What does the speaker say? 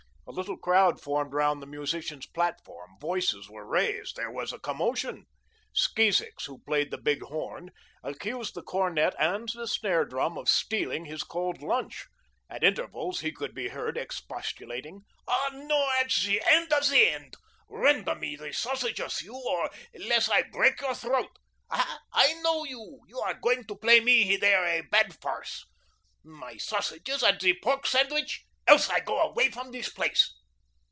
A little crowd formed around the musicians' platform; voices were raised; there was a commotion. Skeezicks, who played the big horn, accused the cornet and the snare drum of stealing his cold lunch. At intervals he could be heard expostulating: "Ah, no! at the end of the end! Render me the sausages, you, or less I break your throat! Aha! I know you. You are going to play me there a bad farce. My sausages and the pork sandwich, else I go away from this place!"